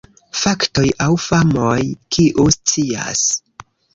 Faktoj aŭ famoj: kiu scias?